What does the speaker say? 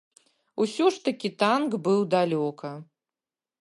Усё ж такі танк быў далёка.